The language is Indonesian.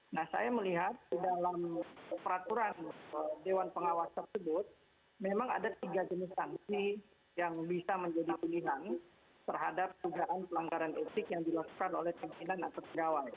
nah saya melihat di dalam peraturan dewan pengawas tersebut memang ada tiga jenis sanksi yang bisa menjadi pilihan terhadap dugaan pelanggaran etik yang dilakukan oleh pimpinan atau pegawai